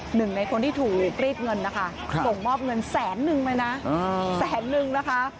หนึ่งในคนที่ถูกรีดเงินนะคะส่งมอบเงินแสนนึงเลยนะแสนนึงนะคะ